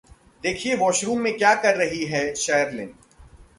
देखिए वॉशरूम में क्या कर रही हैं शर्लिन...